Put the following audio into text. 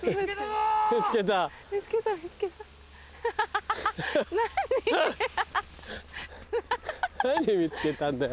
ハハハ！何見つけたんだよ。